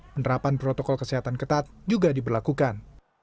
penerapan protokol kesehatan ketat juga diberlakukan